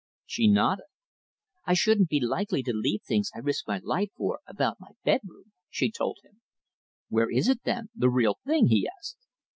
She nodded. "I shouldn't be likely to leave things I risk my life for about my bedroom," she told him. "Where is it, then the real thing?" he asked.